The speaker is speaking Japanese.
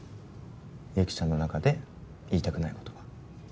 雪ちゃんの中で言いたくないことが。